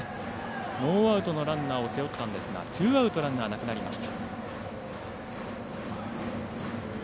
ノーアウトのランナーを背負ったんですがツーアウトランナーなくなりました。